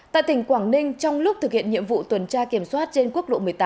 tại tỉnh quảng ninh trong lúc thực hiện nhiệm vụ tuần tra kiểm soát trên quốc lộ một mươi tám